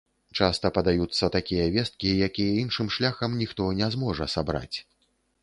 Часта падаюцца такія весткі, якія іншым шляхам ніхто не зможа сабраць.